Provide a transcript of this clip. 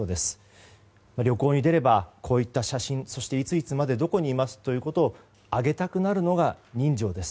旅行に出ればこういった写真いついつまでどこにいますということを上げたくなるのが人情です。